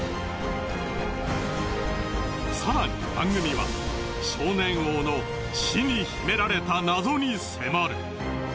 更に番組は少年王の死に秘められた謎に迫る。